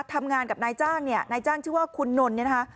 ทำงานกับนายจ้างเนี่ยนายจ้างชื่อว่าคุณนนท์เนี่ยนะคะ